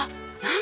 何？